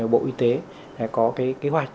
bộ y tế có kế hoạch